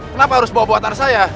kenapa harus bawa buatan saya